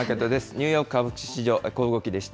ニューヨーク株式市場、小動きでした。